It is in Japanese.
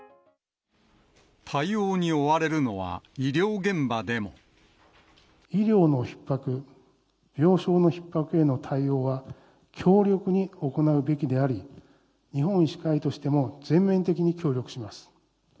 対応に追われるのは医療現場医療のひっ迫、病床のひっ迫への対応は、強力に行うべきであり、日本医師会としても、全面的に協力します。